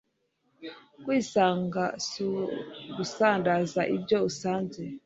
kwisanga sugusandaza ibyo usanze